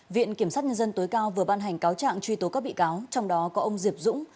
viện kiểm sát nhân dân tối cao vừa ban hành cáo trạng truy tố các bị cáo trong đó có ông diệp dũng